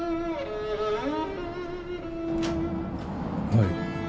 はい